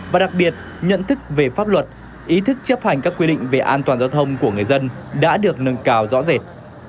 và đặc biệt nhận thức về pháp luật ý thức chấp hành các quy định về an toàn giao thông của người dân đã được nâng cao rõ rệt